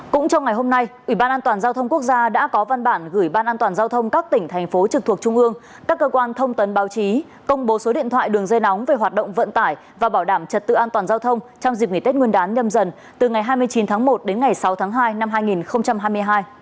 cũng trong ngày hôm nay ủy ban an toàn giao thông quốc gia đã có văn bản gửi ban an toàn giao thông các tỉnh thành phố trực thuộc trung ương các cơ quan thông tấn báo chí công bố số điện thoại đường dây nóng về hoạt động vận tải và bảo đảm trật tự an toàn giao thông trong dịp nghỉ tết nguyên đán nhâm dần từ ngày hai mươi chín tháng một đến ngày sáu tháng hai năm hai nghìn hai mươi hai